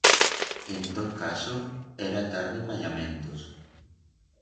En tot caso, era tarde pa llamentos.